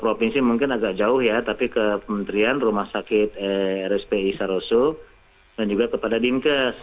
provinsi mungkin agak jauh ya tapi ke kementerian rumah sakit rspi saroso dan juga kepada dinkes